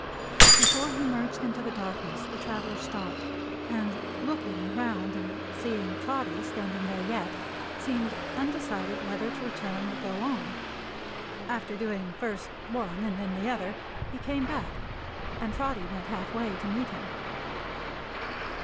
Before he merged into the darkness the traveler stopped, and looking round and seeing Trotty standing there yet, seemed undecided whether to return or go on. After doing first the one and then the other, he came back, and Trotty went half way to meet him.